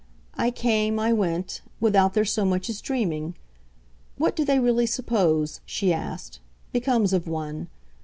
I came, I went without their so much as dreaming. What do they really suppose," she asked, "becomes of one?